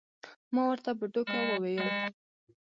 ما ورته په ټوکه وویل.